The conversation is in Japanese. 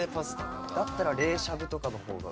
だったら冷しゃぶとかの方が。